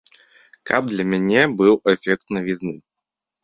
Каб для мяне быў эфект навізны.